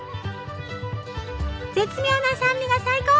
絶妙な酸味が最高！